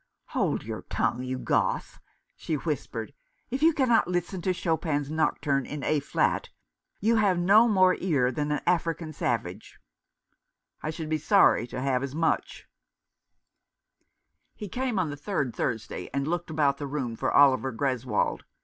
" Hold your tongue, you Goth," she whispered. "If you cannot listen to Chopin's nocturne in 256 The Boyhood of Oliver Greswold. A Flat, you can have no more ear than an African savage." "I should be sorry to have as much." He came on the third Thursday, and looked about the room for Oliver Greswold.